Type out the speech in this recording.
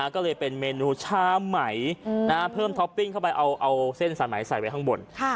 ก็เลยเป็นเมนูชาไหมเพิ่มท็อปปิ้งเข้าไปเอาเส้นสายไหมใส่ไว้ข้างบน